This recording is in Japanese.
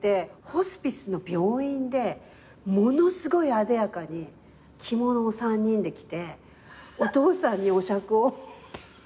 ホスピスの病院でものすごいあでやかに着物を３人で着てお父さんにお酌を。